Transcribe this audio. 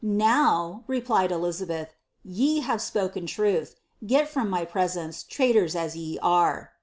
'' (fow,'^ replied Elizabeth, ^ye have spoken truth. Get from my »oe ; traitors, as ye are."